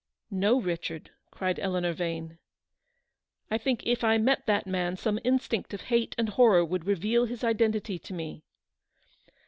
"No, Richard," cried Eleanor Vane. "I think if I met that man some instinct of hate and horror would reveal his identity to me."